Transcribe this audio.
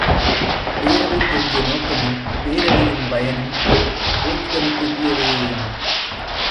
பேரவை தோன்றிய நோக்கமும் பேரவையின் பயனும் போற்றுதலுக்கு உரியவையேயாம்.